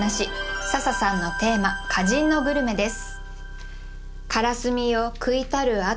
笹さんのテーマ「歌人のグルメ」です。